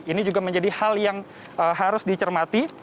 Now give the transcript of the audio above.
ini juga menjadi hal yang harus dicermati